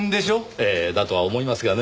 ええだとは思いますがね